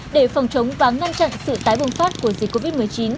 để phòng chống và ngăn chặn sự tái bùng phát của dịch covid một mươi chín